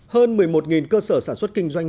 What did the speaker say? hơn một mươi một cơ sở sản xuất kinh doanh